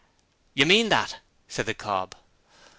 'You MEAN that?' said the cob.